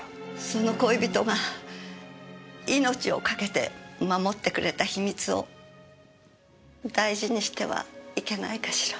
その恋人が命をかけて守ってくれた秘密を大事にしてはいけないかしら？